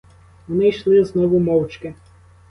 Вони йшли знову мовчки.